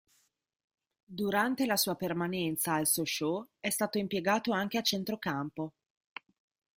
Durante la sua permanenza al Sochaux è stato impiegato anche a centrocampo.